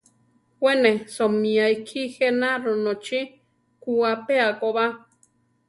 We ne soʼmía ikí je na ronochí kú apéa ko ba.